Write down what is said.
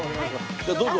じゃあどうぞ。